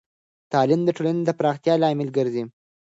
تعلیم د ټولنې د پراختیا لامل ګرځی.